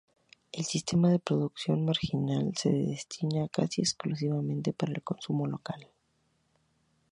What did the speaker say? El sistema de producción marginal se destina casi exclusivamente para el consumo local.